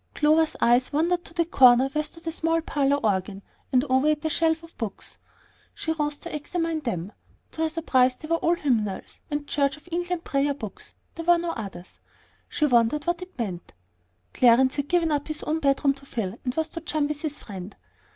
Clover's eyes wandered to a corner where stood a small parlor organ, and over it a shelf of books. She rose to examine them. To her surprise they were all hymnals and Church of England prayer books. There were no others. She wondered what it meant. Clarence had given up his own bedroom to Phil, and was to chum with his friend.